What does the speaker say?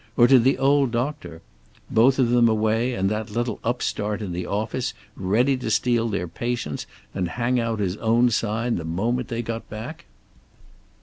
Or to the old doctor? Both of them away, and that little upstart in the office ready to steal their patients and hang out his own sign the moment they got back!